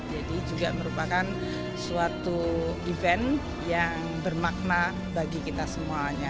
jadi juga merupakan suatu event yang bermakna bagi kita semuanya